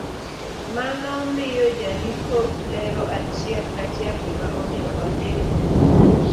Mano miyo jandiko lero achiel ka chiel gima omiyo ondiko